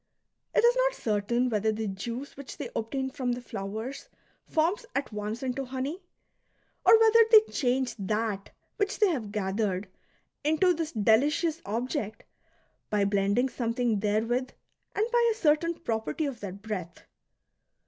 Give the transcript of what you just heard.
It is not certain whether the juice which they obtain from the flowers forms at once into honey, or whether they change that which they have gathered into this delicious object by blending something therewith and by a certain property of their breath.